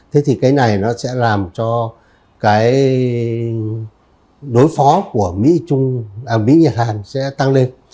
thế thì cái này nó sẽ làm cho cái đối phó của mỹ nhật hàn sẽ tăng lên